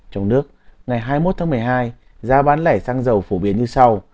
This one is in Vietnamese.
trong nước ngày hai mươi một tháng một mươi hai giá bán lẻ xăng dầu phổ biến như sau